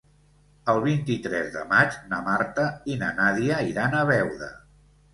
El vint-i-tres de maig na Marta i na Nàdia iran a Beuda.